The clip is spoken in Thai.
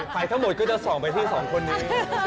ไปทั้งหมดก็จะส่องไปที่สองคนนี้